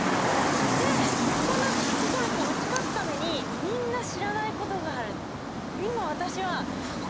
で落ち込んだ心に打ち勝つためにみんな知らないことがある。